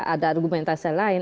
ada argumentasi lain